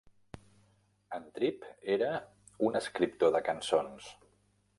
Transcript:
En Tripp era un escriptor de cançons.